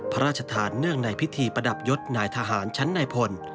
พระราชทานเนื่องในพิธีประดับยศนายทหารชั้นนายพล